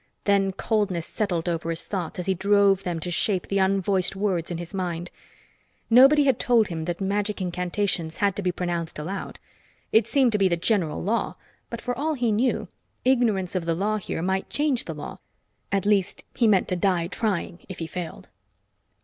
Then coldness settled over his thoughts as he drove them to shape the unvoiced words in his mind. Nobody had told him that magic incantations had to be pronounced aloud. It seemed to be the general law, but for all he knew, ignorance of the law here might change the law. At least he meant to die trying, if he failed.